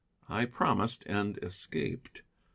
I promised, and escaped.